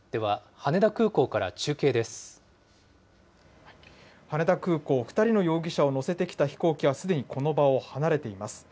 羽田空港、２人の容疑者を乗せてきた飛行機はすでにこの場を離れています。